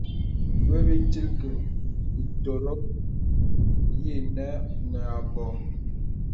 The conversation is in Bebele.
Və bì tilkəŋ ìtɔ̄rɔ̀k yinə̀ nə à bɔ̀.